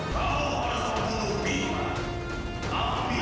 kau harus berhubungan